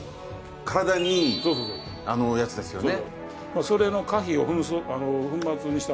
体にいいやつですよね。